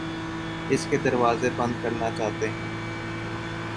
اس کے دروازے بند کرنا چاہتے ہیں